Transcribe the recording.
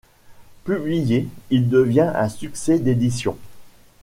Publié, il devient un succès d'édition.